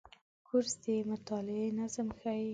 کورس د مطالعې نظم ښيي.